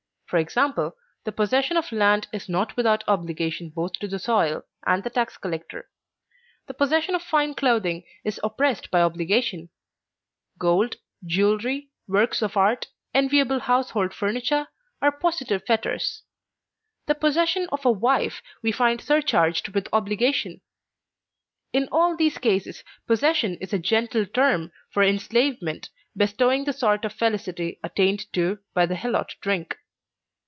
For example: the possession of land is not without obligation both to the soil and the tax collector; the possession of fine clothing is oppressed by obligation; gold, jewelry, works of art, enviable household furniture, are positive fetters; the possession of a wife we find surcharged with obligation. In all these cases possession is a gentle term for enslavement, bestowing the sort of felicity attained to by the helot drunk.